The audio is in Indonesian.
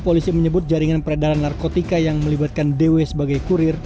polisi menyebut jaringan peredaran narkotika yang melibatkan dw sebagai kurir